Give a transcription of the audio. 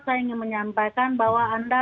saya ingin menyampaikan bahwa anda